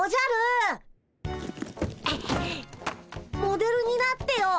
モデルになってよ。